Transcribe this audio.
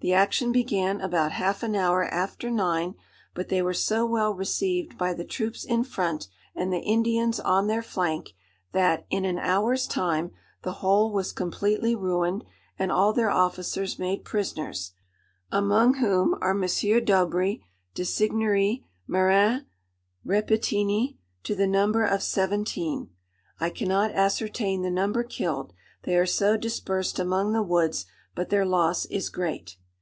The action began about half an hour after nine; but they were so well received by the troops in front, and the Indians on their flank, that, in an hour's time, the whole was completely ruined, and all their officers made prisoners, among whom are M. d'Aubry, de Signery, Marin, Repentini, to the number of seventeen. I cannot ascertain the number killed, they are so dispersed among the woods; but their loss is great.